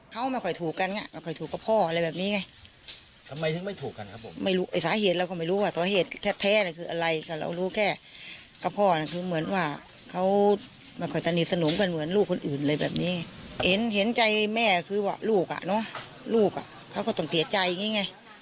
เห็นใจแม่คือว่าลูกอะเนี่ยลูกอะเขาก็ต้องเสียใจนิดนี้ไง